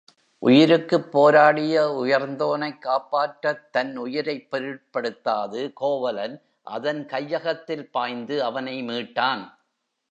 உயிருக்குப் போராடிய உயர்ந்தோனைக் காப்பாற்றத் தன் உயிரைப் பொருட்படுத்தாது கோவலன் அதன் கையகத்தில் பாய்ந்து அவனை மீட்டான்.